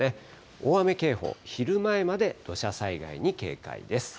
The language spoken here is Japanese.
大雨警報、昼前まで土砂災害に警戒です。